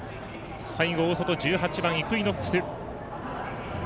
最後、大外１８番イクイノックス。